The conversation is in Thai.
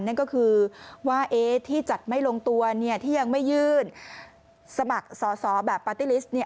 นั่นก็คือว่าที่จัดไม่ลงตัวที่ยังไม่ยื่นสมัครสอสอแบบปาร์ตี้ลิสต์